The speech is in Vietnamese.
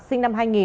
sinh năm hai nghìn